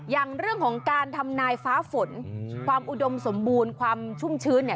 อย่างเรื่องของการทำนายฟ้าฝนความอุดมสมบูรณ์ความชุ่มชื้นเนี่ย